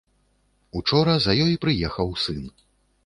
Учора за ёй прыехаў сын.